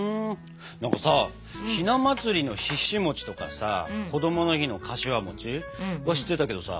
なんかさひな祭りのひし餅とかさこどもの日のかしわ餅は知ってたけどさ